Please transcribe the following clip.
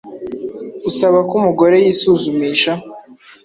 usaba ko umugore yisuzumisha